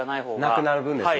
なくなる分ですね。